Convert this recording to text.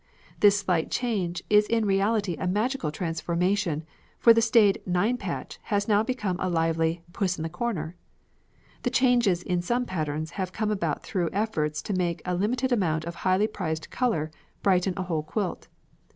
This slight change is in reality a magical transformation, for the staid "Nine Patch" has now become a lively "Puss in the Corner." The changes in some patterns have come about through efforts to make a limited amount of highly prized colour brighten a whole quilt.